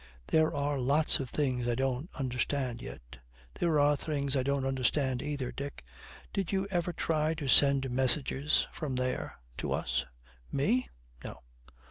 'There are lots of things I don't understand yet.' 'There are things I don't understand either. Dick, did you ever try to send messages from there to us?' 'Me? No.'